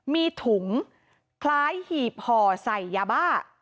มีถุงคล้ายหีบห่อใส่ยาบ้า